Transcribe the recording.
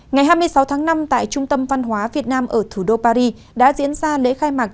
ngày hai mươi sáu tháng năm tại trung tâm văn hóa việt nam ở thủ đô paris đã diễn ra lễ khai mạc